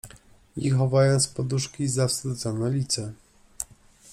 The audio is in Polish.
I chowając w poduszki, zawstydzone lice